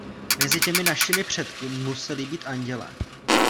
Mezi těmi našimi předky museli být andělé.